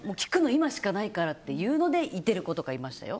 今しかないからっていうのでいてる子とかいましたよ。